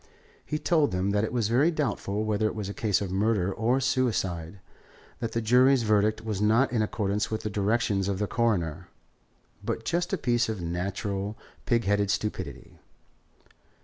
He told them that it was very doubtful whether it was a case of murder or suicide; that the jury's verdict was not in accordance with the directions of the Coroner, but just a piece of natural, pig headed stupidity.